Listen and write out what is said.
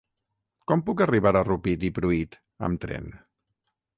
Com puc arribar a Rupit i Pruit amb tren?